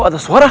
kok ada suara